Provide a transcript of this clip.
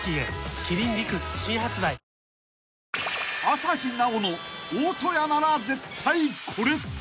［朝日奈央の大戸屋なら絶対これ］